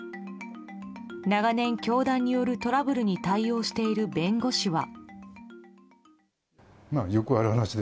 長年、教団によるトラブルに対応している弁護士は。